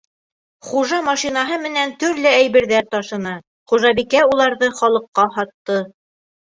Хужа машинаһы менән төрлө әйберҙәр ташыны, хужабикә уларҙы халыҡҡа һатты.